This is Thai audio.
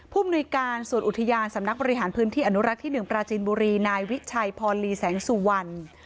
มนุยการส่วนอุทยานสำนักบริหารพื้นที่อนุรักษ์ที่๑ปราจินบุรีนายวิชัยพรลีแสงสุวรรณ